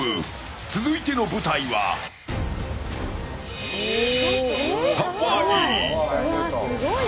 続いての舞台は、ハワイ。